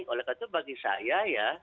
oleh karena itu bagi saya ya